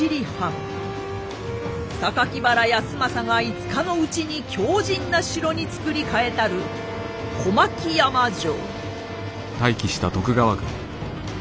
原康政が５日のうちに強じんな城に造り替えたる小牧山城。